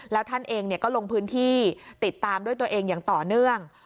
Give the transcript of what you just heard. แล้วท่านเองก็ลงพื้นที่ติดตามด้วยตัวเองอย่างต่อเนื่อง